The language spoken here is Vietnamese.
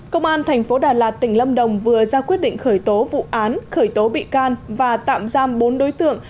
công an thành phố đà lạt tỉnh lâm đồng vừa ra quyết định khởi tố vụ án khởi tố bị can và tạm giam bốn đối tượng